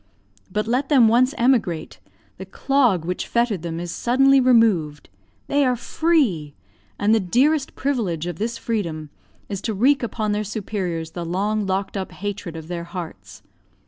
But let them once emigrate, the clog which fettered them is suddenly removed; they are free; and the dearest privilege of this freedom is to wreak upon their superiors the long locked up hatred of their hearts.